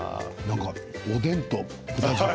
おでんと？